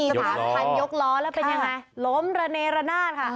สามคันยกล้อแล้วเป็นยังไงล้มระเนระนาดค่ะ